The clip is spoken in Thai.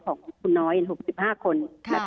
ของคุณน้อย๖๕คน